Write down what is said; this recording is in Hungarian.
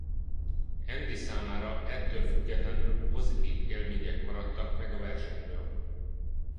Andy számára ettől függetlenül pozitív élmények maradtak meg a versenyről.